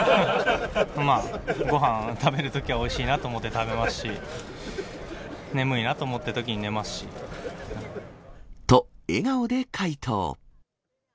まあ、ごはん食べるときはおいしいなと思って食べますし、と、笑顔で回答。